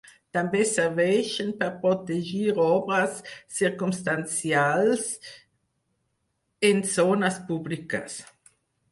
També serveixen per protegir obres circumstancials en zones públiques.